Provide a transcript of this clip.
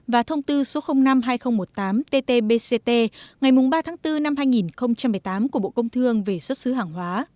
và thông tư số năm hai nghìn một mươi tám tt bct ngày ba bốn hai nghìn một mươi tám của bộ công an